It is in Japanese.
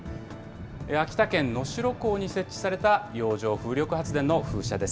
秋田県能代港に設置された、洋上風力発電の風車です。